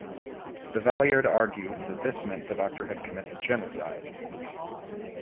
The Valeyard argued that this meant the Doctor had committed genocide.